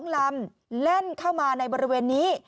๒ลำแล่นเข้ามาในบริเวณนี้